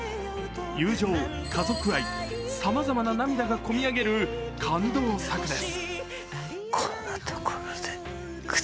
友情、家族愛、さまざまな涙がこみ上げる感動作です。